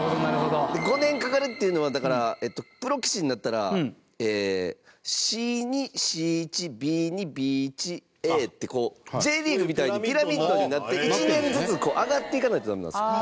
高橋：５年かかるっていうのはだから、プロ棋士になったらＣ２、Ｃ１、Ｂ２、Ｂ１Ａって、こうＪリーグみたいにピラミッドになって１年ずつ上がっていかないとダメなんですよ。